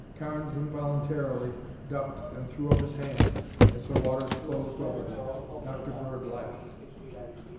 Carnes involuntarily ducked and threw up his hand as the waters closed over them. Dr. Bird laughed.